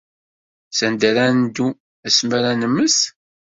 Sanda ara neddu asmi ara nemmet?